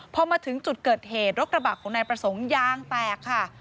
พอมาถึงจุดเกิดเหตุรถกระบะของนายประสงค์ยางแตกค่ะ